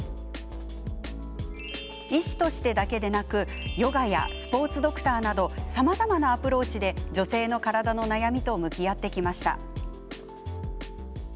医師としてだけでなくヨガやスポーツドクターなどさまざまなアプローチで女性の体の悩みと向き合ってきました。